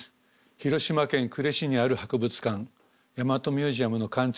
広島県呉市にある博物館大和ミュージアムの館長をしています。